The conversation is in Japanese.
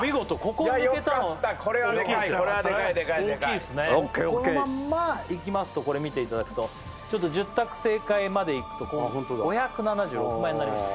これはデカいデカいこのまんまいきますとこれ見ていただくとちょっと１０択正解までいくと５７６万円になりました